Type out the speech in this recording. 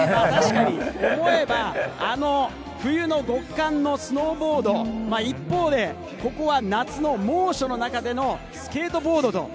思えば、あの冬の極寒のスノーボード、一方でここは夏の猛暑の中でのスケートボード。